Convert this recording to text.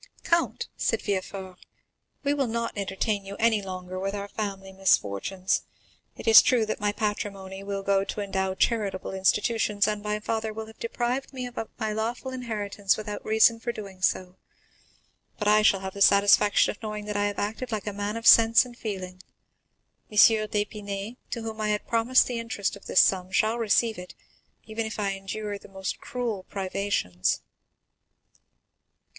"Count," said Villefort, "we will not entertain you any longer with our family misfortunes. It is true that my patrimony will go to endow charitable institutions, and my father will have deprived me of my lawful inheritance without any reason for doing so, but I shall have the satisfaction of knowing that I have acted like a man of sense and feeling. M. d'Épinay, to whom I had promised the interest of this sum, shall receive it, even if I endure the most cruel privations."